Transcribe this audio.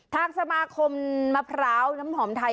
ทางสมาคมมะพร้าวน้ำหอมไทย